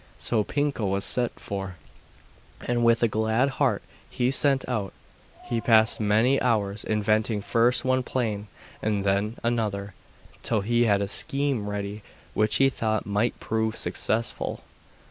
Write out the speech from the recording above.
So Pinkel was sent for, and with a glad heart he set out. He passed many hours inventing first one plan and then another, till he had a scheme ready which he thought might prove successful.